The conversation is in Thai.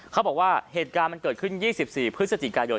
เขาบอกว่าเหตุการณ์มันเกิดขึ้น๒๔พฤศจิกายน